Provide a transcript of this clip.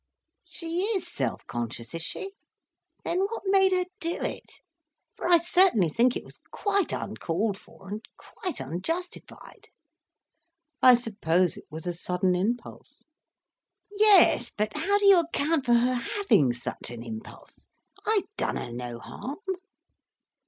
"She is self conscious, is she? Then what made her do it? For I certainly think it was quite uncalled for, and quite unjustified." "I suppose it was a sudden impulse." "Yes, but how do you account for her having such an impulse? I'd done her no harm."